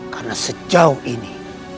karena sejauh ini